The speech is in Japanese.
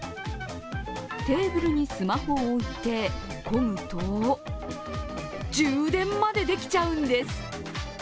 テーブルにスマホを置いてこぐと充電までできちゃうんです。